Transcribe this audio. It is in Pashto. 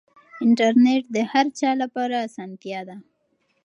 انټرنیټ د هر چا لپاره اسانتیا ده.